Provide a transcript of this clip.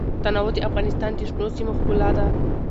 تنوع د افغانستان د شنو سیمو ښکلا ده.